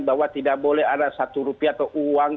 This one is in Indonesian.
bahwa tidak boleh ada satu rupiah atau uang